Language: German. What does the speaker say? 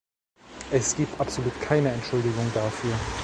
Es gibt absolut keine Entschuldigung dafür.